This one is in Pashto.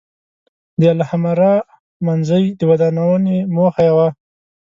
د الحمرأ منځۍ د ودانونې موخه یې وه.